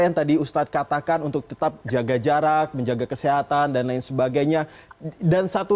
yang tadi ustadz katakan untuk tetap jaga jarak menjaga kesehatan dan lain sebagainya dan satu